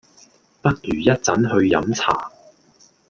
不如一陣去飲茶